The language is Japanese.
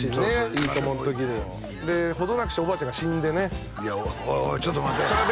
「いいとも！」の時にで程なくしておばあちゃんが死んでねおいおいちょっと待て澤部